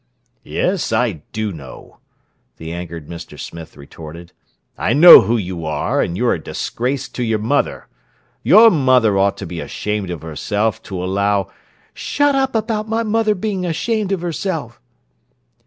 "Yes, I do know!" the angered Mr. Smith retorted. "I know who you are, and you're a disgrace to your mother! Your mother ought to be ashamed of herself to allow—" "Shut up about my mother bein' ashamed of herself!"